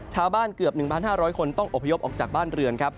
ชาวบ้านเกือบ๑๕๐๐คนต้องอพยพออกจากบ้านเรือน